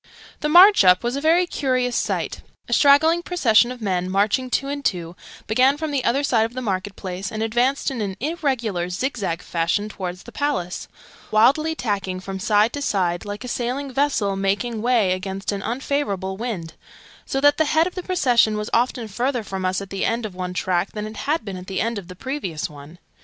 The 'march up' was a very curious sight: {Image...The march up} a straggling procession of men, marching two and two, began from the other side of the market place, and advanced in an irregular zig zag fashion towards the Palace, wildly tacking from side to side, like a sailing vessel making way against an unfavourable wind so that the head of the procession was often further from us at the end of one tack than it had been at the end of the previous one.